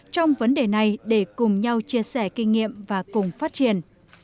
trong vấn đề này để cùng nhau chia sẻ kinh nghiệm và cùng phát triển